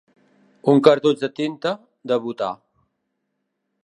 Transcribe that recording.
Un cartutx de tinta, de butà.